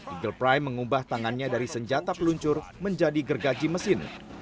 eagle prime mengubah tangannya dari senjata peluncur menjadi gergaji mesin